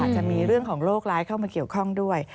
จะมีเรื่องของโรคร้ายเข้ามาเกี่ยวข้องด้วย